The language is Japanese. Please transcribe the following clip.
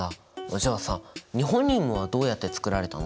じゃあさニホニウムはどうやって作られたの？